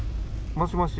もしもし。